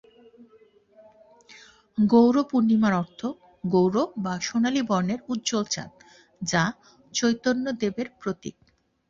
গৌর-পূর্ণিমার অর্থ '"গৌর বা সোনালী বর্ণের উজ্জ্বল চাঁদ"', যা চৈতন্যদেবের প্রতীক।